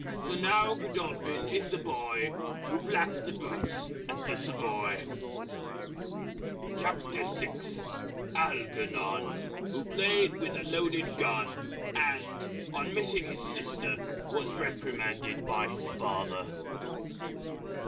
So now Godolphin is the Boy Who blacks the Boots at the Savoy. ALGERNON, _Who played with a Loaded Gun, and, on missing his Sister was reprimanded by his Father.